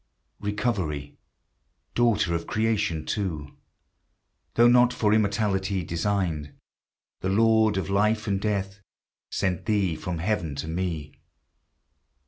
Recovery, daughter of Creation too, Though not for immortality designed, The Lord of life and death Sent thee from heaven to me!